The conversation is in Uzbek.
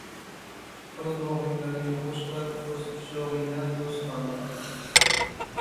• O‘z bog‘ingdan yog‘och qirq, o‘z qishlog‘ingdan do‘st tanla.